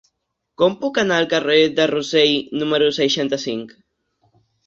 Com puc anar al carrer de Rossell número seixanta-cinc?